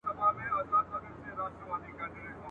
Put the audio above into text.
که شعر د کلماتو له ښکلا `